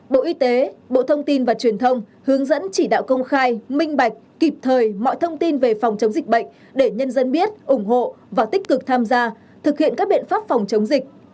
bộ y tế bộ thông tin và truyền thông hướng dẫn chỉ đạo công khai minh bạch kịp thời mọi thông tin về phòng chống dịch bệnh để nhân dân biết ủng hộ và tích cực tham gia thực hiện các biện pháp phòng chống dịch